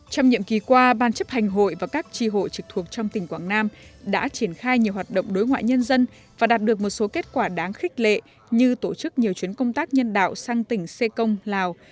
trong nhiệm kỳ qua ban chấp hành hội và các tri hội trực thuộc trong tỉnh quảng nam đã triển khai nhiều hoạt động đối ngoại nhân dân và đạt được một số kết quả đáng khích lệ như tổ chức nhiều chuyến công tác nhân đạo sang tỉnh xê công lào